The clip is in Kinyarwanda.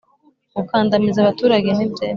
gukandamiza abaturage ntibyemewe.